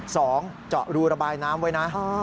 สองเจาะรูระบายน้ำไว้นะ